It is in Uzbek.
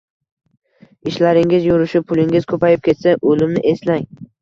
Ishlaringiz yurishib, pulingiz ko‘payib ketsa, o‘limni eslang.